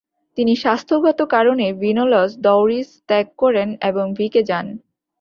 তিনি স্বাস্থ্যগত কারণে ভিনোলস দ'ওরিস ত্যাগ করেন এবং ভিকে যান।